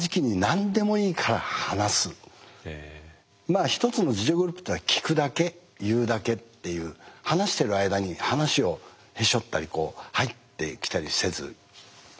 まあ一つの自助グループってのは聞くだけ言うだけっていう話してる間に話をへし折ったり入ってきたりせずじっくり聞く。